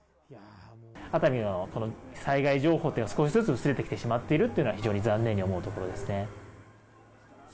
熱海の、この災害情報っていうのが少しずつ薄れてしまっているというのは非常に残念に思うところですね。